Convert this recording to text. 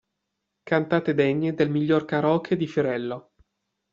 Cantate degne del miglior Karaoke di Fiorello.